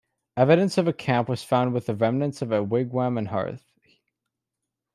Evidence of a camp was found with the remnants of a wigwam and hearth.